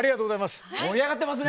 盛り上がってますね。